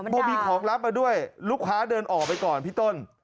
พอมีของรับมาด้วยลูกค้าเดินออกไปก่อนพี่ต้น